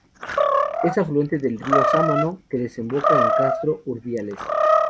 Es afluente del río Sámano, que desemboca en Castro Urdiales.